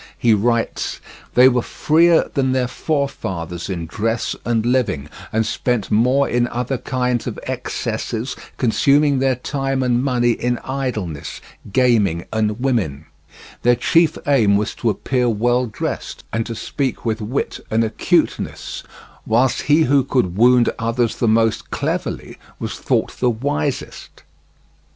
He writes: "They were freer than their forefathers in dress and living, and spent more in other kinds of excesses, consuming their time and money in idleness, gaming, and women; their chief aim was to appear well dressed and to speak with wit and acuteness, whilst he who could wound others the most cleverly was thought the wisest."